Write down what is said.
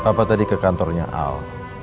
kenapa tadi ke kantornya al